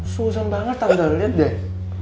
susah banget tante lo liat deh